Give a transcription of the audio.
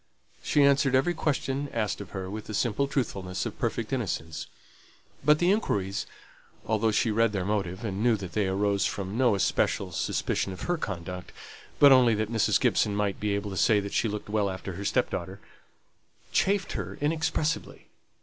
She answered every question asked of her with the simple truthfulness of perfect innocence; but the inquiries (although she read their motive, and knew that they arose from no especial suspicion of her conduct, but only that Mrs. Gibson might be able to say that she looked well after her stepdaughter) chafed her inexpressibly.